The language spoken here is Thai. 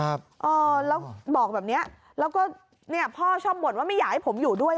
อะไรฮะพ่อชอบบ่นผม